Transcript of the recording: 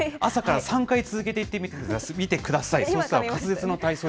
朝から３回続けて言ってみてください。